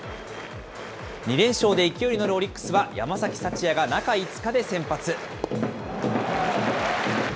２連勝で勢いに乗るオリックスは山崎福也が中５日で先発。